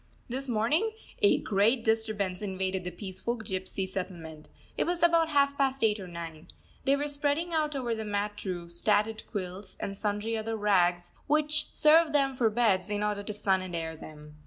This morning a great disturbance invaded the peaceful gypsy settlement. It was about half past eight or nine. They were spreading out over the mat roofs tattered quilts and sundry other rags, which serve them for beds, in order to sun and air them.